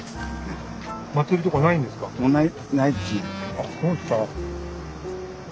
あっそうですか。